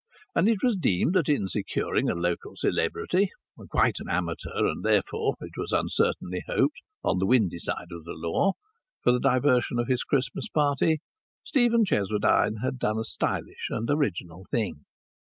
And it was deemed that in securing a local celebrity (quite an amateur, and therefore, it was uncertainly hoped, on the windy side of the law) for the diversion of his Christmas party Stephen Cheswardine had done a stylish and original thing.